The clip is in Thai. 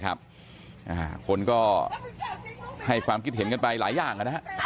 คนก็ให้ความคิดเห็นกันไปหลายอย่าง